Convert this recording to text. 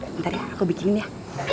bentar ya aku bikinin dia